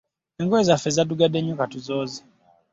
Engoye zaffe zaddugadde nnyo katuzooze.